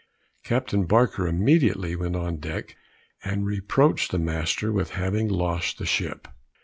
Captain Barker immediately went on deck and reproached the master with having lost the ship.